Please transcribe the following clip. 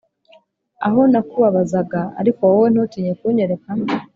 aho nakubabazaga ariko wowe ntutinye kunyereka